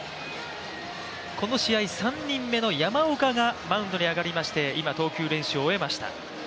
この試合、３人目の山岡がマウンドに上がりまして、今、投球練習を終えました。